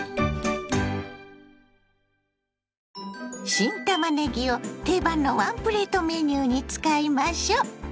新たまねぎを定番のワンプレートメニューに使いましょ。